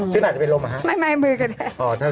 คุณอาจจะไปล้มเหรอฮะไม่มือก็ได้